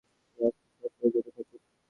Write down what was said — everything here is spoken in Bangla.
রাস্তা সাফ আছে, যেতে থাকুন।